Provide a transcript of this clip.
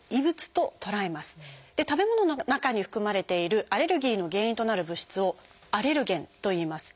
食べ物の中に含まれているアレルギーの原因となる物質を「アレルゲン」といいます。